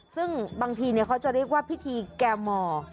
ซึ่งบางทีเขาจะเรียกว่าพิธีแก่หมอ